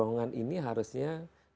dorongan ini harusnya